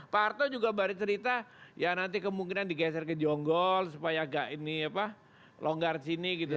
pak harto juga balik cerita ya nanti kemungkinan digeser ke jonggol supaya gak ini apa longgar sini gitu